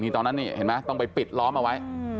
ตอนนั้นนี่เห็นไหมต้องไปปิดล้อมเอาไว้